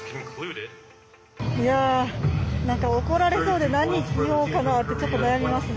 なんか、怒られそうで何を言おうかなとちょっと悩みますね。